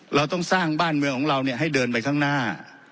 เราต้องสร้างบ้านเมืองของเราให้เดินไปข้างหน้า